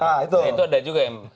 nah itu ada juga yang